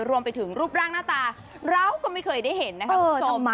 รวมไปถึงรูปร่างหน้าตาเราก็ไม่เคยได้เห็นนะคะคุณผู้ชม